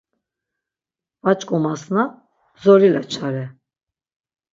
Va ç̌ǩomasna zorila çare.